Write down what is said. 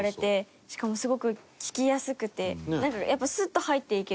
しかもすごく聞きやすくてやっぱスッと入っていける気がしますね。